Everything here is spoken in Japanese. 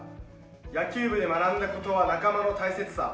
野球部で学んだことは仲間の大切さ。